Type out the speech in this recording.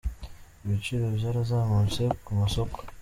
Ibiciro byarazamutse ku masoko